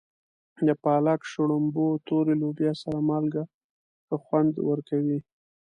د پالک، شړومبو، تورې لوبیا سره مالګه ښه خوند ورکوي.